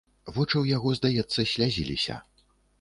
Вочы ў яго, здаецца, слязіліся.